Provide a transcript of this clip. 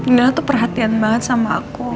indah tuh perhatian banget sama aku